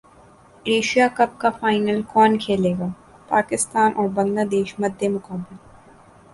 Asia Cup کا final کون کھیلے گا پاکستان اور بنگلہ دیش مدمقابل